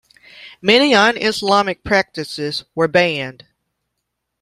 Many un-Islamic practices were banned.